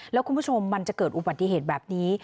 แล้วคุณผู้ชมมันจะเกิดอุบัติเหตุแบบนี้